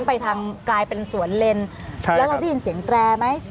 ไปทางกลายเป็นสวนเลนแล้วเราได้ยินเสียงแตรไหม